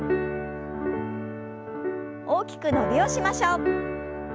大きく伸びをしましょう。